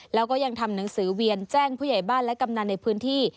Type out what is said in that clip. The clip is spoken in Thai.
แล้วก็ยังทำหนังสือเวียนแจ้งผู้ใหญ่บ้านและกำนันในพื้นที่